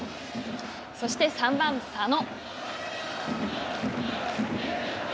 そして、３番佐野。